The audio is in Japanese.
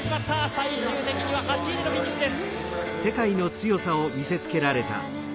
最終的には８位でのフィニッシュです。